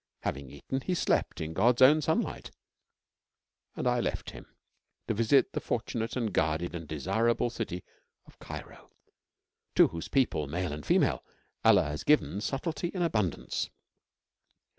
Having eaten, he slept in God's own sunlight, and I left him, to visit the fortunate and guarded and desirable city of Cairo, to whose people, male and female, Allah has given subtlety in abundance.